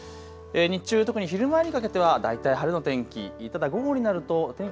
日中特に昼前にかけては大体晴れの天気。